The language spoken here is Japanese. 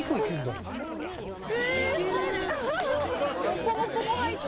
モコモコも入った！